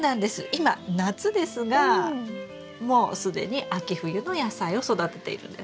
今夏ですがもう既に秋冬の野菜を育てているんです。